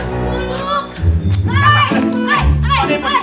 tadi pak serikiti